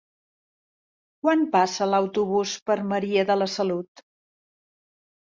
Quan passa l'autobús per Maria de la Salut?